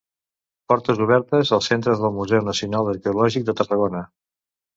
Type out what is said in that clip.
Portes obertes als Centres del Museu Nacional Arqueològic de Tarragona.